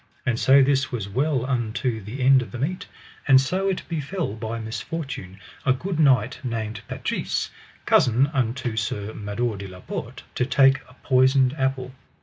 And so this was well unto the end of the meat; and so it befell by misfortune a good knight named Patrise, cousin unto Sir Mador de la Porte, to take a poisoned apple.